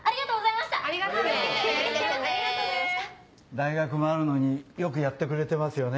大学もあるのによくやってくれてますよね。